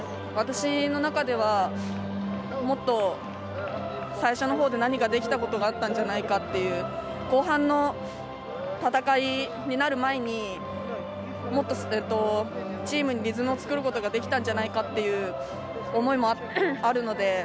私の中では、もっと最初のほうで何かできたことがあったんじゃないかっていう、後半の戦いになる前に、もっとチームにリズムを作ることができたんじゃないかっていう思いもあるので。